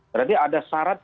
berarti ada syarat